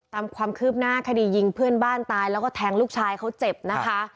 ตามความคืบหน้าคดียิงเพื่อนบ้านตายแล้วก็แทงลูกชายเขาเจ็บนะคะ